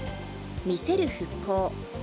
見せる復興。